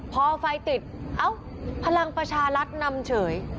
พอไฟติดพลังประชาลัทย์นำเฉย